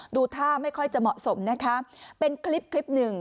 ดูท่าไม่ค่อยจะเหมาะสมนะคะเป็นคลิปคลิปหนึ่ง